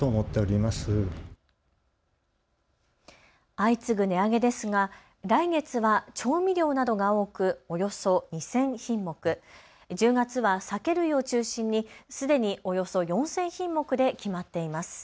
相次ぐ値上げですが来月は調味料などが多くおよそ２０００品目、１０月は酒類を中心にすでにおよそ４０００品目で決まっています。